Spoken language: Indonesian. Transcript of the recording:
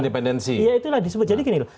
independensi ya itulah disebut jadi gini loh